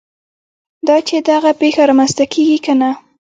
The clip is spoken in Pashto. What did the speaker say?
دا چې دغه پېښه رامنځته کېږي که نه.